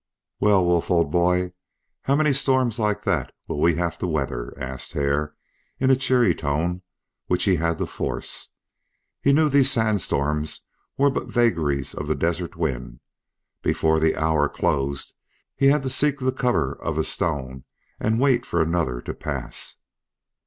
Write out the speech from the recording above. "Well, Wolf, old boy, how many storms like that will we have to weather?" asked Hare, in a cheery tone which he had to force. He knew these sand storms were but vagaries of the desert wind. Before the hour closed he had to seek the cover of a stone and wait for another to pass.